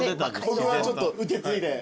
僕はちょっと受け継いで。